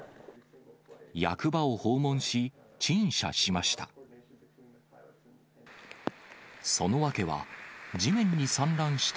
役場を訪問し、陳謝しました。